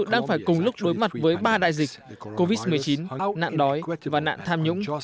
đang phải cùng lúc đối mặt với ba đại dịch covid một mươi chín nạn đói và nạn tham nhũng